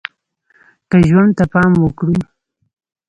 که ژوند ته پام وکړو